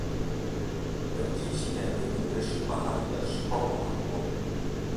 本季起点为纽约市曼哈顿的时报广场。